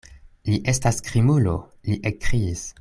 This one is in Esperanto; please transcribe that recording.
Li estas krimulo, li ekkriis.